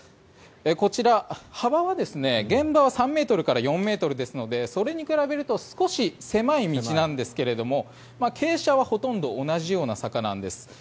こちら、幅は現場は３ｍから４ｍですのでそれに比べると少し狭い道なんですけれど傾斜はほとんど同じような坂なんです。